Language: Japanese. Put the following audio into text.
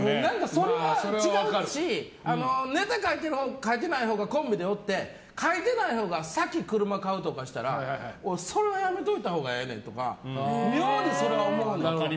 それは違うしネタ書いてるほうと書いてないほうがコンビでおって書いてないほうが先、車買うとかしたら俺、それはやめといたほうがええねんとか妙にそれは思うんだよ。